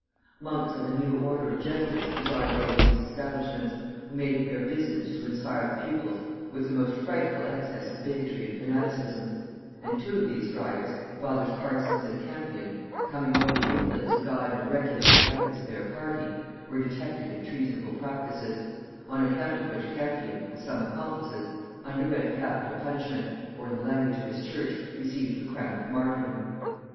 Monks of the new order of Jesuits presided over these establishments, who made it their business to inspire the pupils with the most frightful excess of bigotry and fanaticism; and two of these friars, fathers Parsons and Campion, coming over to England to guide and regulate the efforts of their party, were detected in treasonable practices; on account of which Campion, with some accomplices, underwent capital punishment, or, in the language of his church, received the crown of martyrdom.